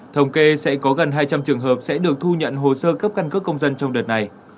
thống kê sẽ có gần hai trăm linh trường hợp sẽ được thu nhận hồ sơ cấp căn cước công dân trong đợt này